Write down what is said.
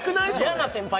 嫌な先輩